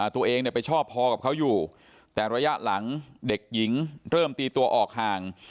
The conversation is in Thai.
ตัวเองไปชอบพอกับเขาอยู่แต่ระยะหลังเด็กหญิงเริ่มตีตัวออกห่าง